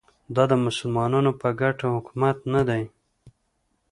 دا د مسلمانانو په ګټه حکومت نه دی